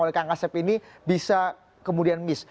oleh kang asep ini bisa kemudian miss